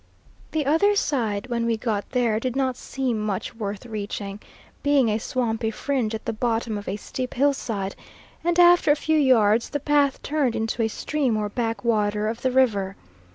The other side, when we got there, did not seem much worth reaching, being a swampy fringe at the bottom of a steep hillside, and after a few yards the path turned into a stream or backwater of the river.